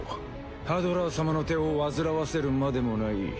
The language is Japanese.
ハドラー様の手を煩わせるまでもない。